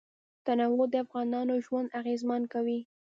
تنوع د افغانانو ژوند اغېزمن کوي.